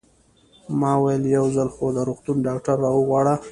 ما وویل: یو ځل خو د روغتون ډاکټر را وغواړه.